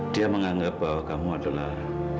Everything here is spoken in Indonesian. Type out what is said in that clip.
dia menganggap bahwa kamu adalah